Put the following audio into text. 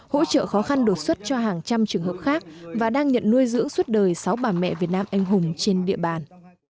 hỗ trợ khó khăn đột xuất cho hàng trăm trường hợp khác và đang nhận nuôi dưỡng suốt đời sáu bà mẹ việt nam anh hùng trên địa bàn